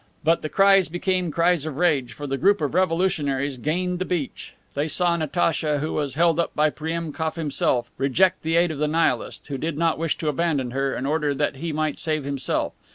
But the cries became cries of rage, for the group of revolutionaries gained the beach. They saw Natacha, who was held up by Priemkof himself, reject the aid of the Nihilist, who did not wish to abandon her, in order that he might save himself.